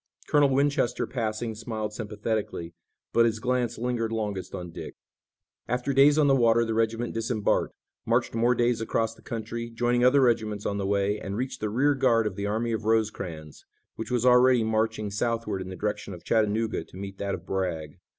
Colonel Winchester passing smiled sympathetically, but his glance lingered longest on Dick. After days on the water the regiment disembarked, marched more days across the country, joining other regiments on the way, and reached the rear guard of the army of Rosecrans, which was already marching southward in the direction of Chattanooga to meet that of Bragg.